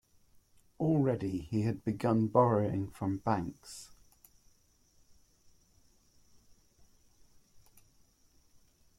Already he had begun borrowing from the banks.